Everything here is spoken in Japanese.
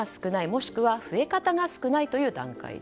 もしくは増え方が少ないという段階。